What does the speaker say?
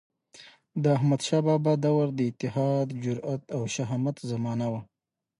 د احمدشاه بابا دور د اتحاد، جرئت او شهامت زمانه وه.